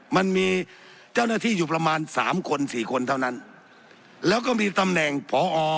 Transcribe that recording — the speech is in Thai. มันมีเจ้าหน้าที่อยู่ประมาณสามคนสี่คนเท่านั้นแล้วก็มีตำแหน่งพอ